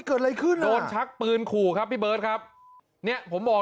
เกิดอะไรขึ้นโดนชักปืนขู่ครับพี่เบิร์ตครับเนี้ยผมบอก